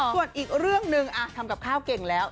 ส่วนอีกเรื่องหนึ่งทำกับข้าวเก่งแล้ว